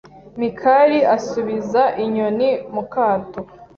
Mikali asubiza inyoni mu kato.